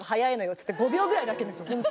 っつって５秒ぐらいで開けるんですよ。